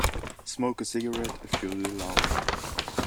Smoke a cigarette, if you'll allow me.